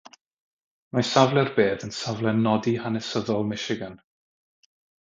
Mae safle;r bedd yn safle nodi hanesyddol Michigan.